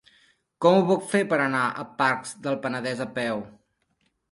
Com ho puc fer per anar a Pacs del Penedès a peu?